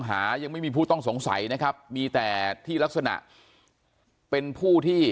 หายังไม่มีผู้ต้องสงสัยนะครับมีแต่ที่ลักษณะเป็นผู้ที่